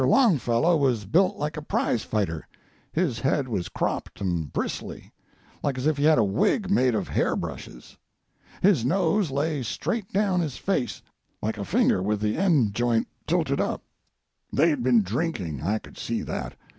Longfellow was built like a prizefighter. His head was cropped and bristly, like as if he had a wig made of hair brushes. His nose lay straight down his face, like a finger with the end joint tilted up. They had been drinking, I could see that.